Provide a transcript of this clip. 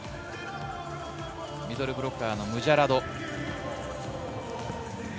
ミドルブロッカーのムジャラド。